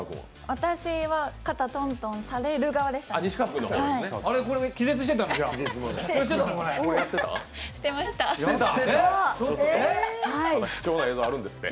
私は肩トントンされる側でしたね。